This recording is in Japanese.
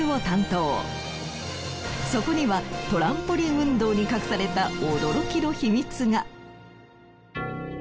そこにはトランポリン運動に隠された驚きの秘密が。